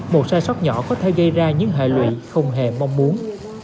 một sai sót nhỏ có thể gây ra những hệ lụy không hề mong muốn